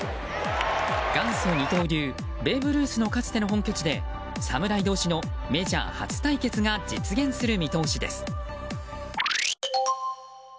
元祖二刀流ベーブ・ルースのかつての本拠地で侍同士のメジャー初対決が実現する見通しです。